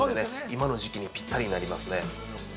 今の時期にぴったりになりますね。